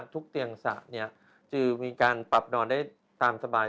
เตียงสระจะมีการปรับนอนได้ตามสบาย